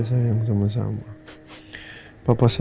fraction laksi apapun apa khasnya